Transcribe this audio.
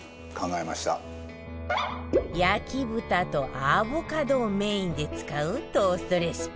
焼豚とアボカドをメインで使うトーストレシピ